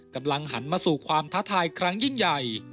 กำลังหันมาสู่ความท้าทายครั้งยิ่งใหญ่